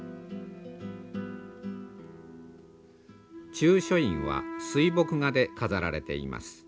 中書院は水墨画で飾られています。